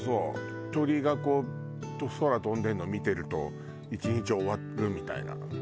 鳥がこう空飛んでるの見てると１日終わるみたいな。